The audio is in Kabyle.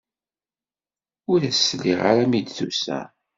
Ur as-sliɣ ara mi d-tusa.